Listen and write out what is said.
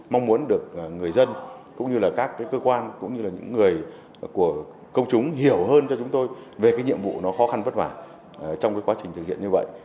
mong muốn được người dân cũng như là các cơ quan cũng như là những người của công chúng hiểu hơn cho chúng tôi về cái nhiệm vụ nó khó khăn vất vả trong cái quá trình thực hiện như vậy